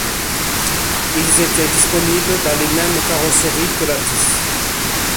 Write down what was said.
Ils étaient disponibles dans les mêmes carrosseries que la Dix.